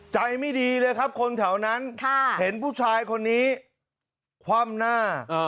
ใจไม่ดีเลยครับคนแถวนั้นเห็นผู้ชายคนนี้คว่ำหน้า